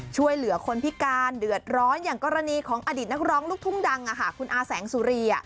ช่วยเหลือคนพิการเดือดร้อนอย่างกรณีของอดีตนักร้องลูกทุ่งดังคุณอาแสงสุรี